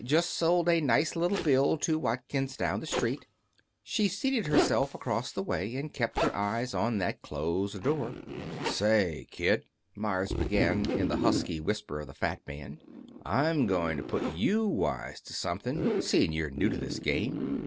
Just sold a nice little bill to Watkins down the Street." She seated herself across the way, and kept her eyes on that closed door. "Say, kid," Meyers began, in the husky whisper of the fat man, "I'm going to put you wise to something, seeing you're new to this game.